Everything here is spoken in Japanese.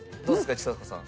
どうですか？